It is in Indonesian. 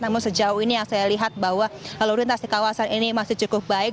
namun sejauh ini yang saya lihat bahwa lalu lintas di kawasan ini masih cukup baik